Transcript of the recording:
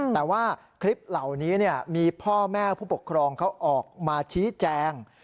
แต่ว่าคลิปเหล่านี้มีพ่อแม่ผู้ปกครองเขาออกมาชี้แจง